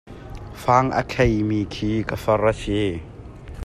Fang a kheimi khi ka far a si.